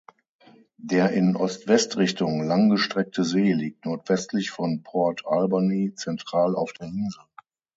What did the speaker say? Der in Ost-West-Richtung langgestreckte See liegt nordwestlich von Port Alberni zentral auf der Insel.